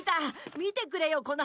見てくれよこのハサミ。